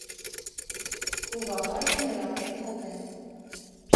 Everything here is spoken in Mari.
Куваваже нералтен колтен.